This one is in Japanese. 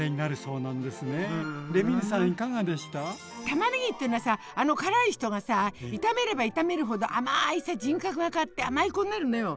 たまねぎってのはさ辛い人がさ炒めれば炒めるほど甘い人格が変わって甘い子になるのよ。